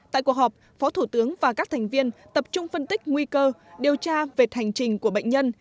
tại cuộc họp phó thủ tướng và các thành viên tập trung phân tích nguy cơ điều tra vệt hành trình của bệnh nhân